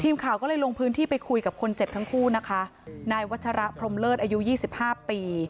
ทีมข่าวก็เลยลงพื้นที่ไปคุยกับคนเจ็บทั้งคู่นะคะนายวัชระพรมเลิศอายุยี่สิบห้าปี